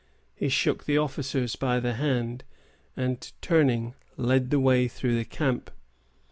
He shook the officers by the hand, and, turning, led the way through the camp.